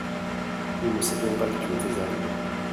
nous ne savions pas que tu étais arrivé.